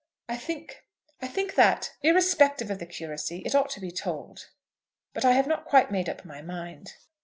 I think, I think that, irrespective of the curacy, it ought to be told. But I have not quite made up my mind."